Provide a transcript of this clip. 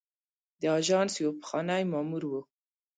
د آژانس یو پخوانی مامور و.